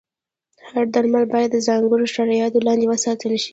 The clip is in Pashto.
هر درمل باید د ځانګړو شرایطو لاندې وساتل شي.